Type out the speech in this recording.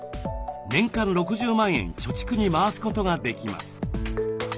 年間６０万円貯蓄に回すことができます。